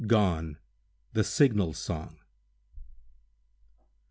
_Gone!—The Signal Song.